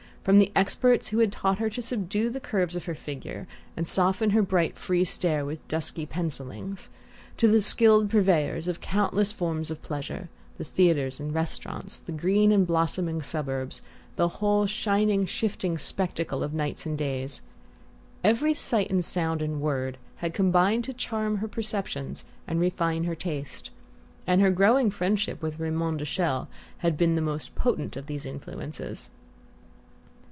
From the experts who had taught her to subdue the curves of her figure and soften her bright free stare with dusky pencillings, to the skilled purveyors of countless forms of pleasure the theatres and restaurants, the green and blossoming suburbs, the whole shining shifting spectacle of nights and days every sight and sound and word had combined to charm her perceptions and refine her taste. And her growing friendship with Raymond de Chelles had been the most potent of these influences.